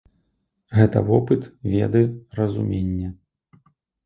Гэта вопыт, веды, разуменне.